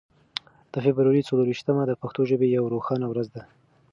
د فبرورۍ څلور ویشتمه د پښتو ژبې یوه روښانه ورځ ده.